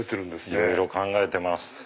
いろいろ考えてます。